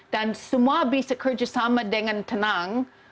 dan semua bisa kerjasama dengan tenang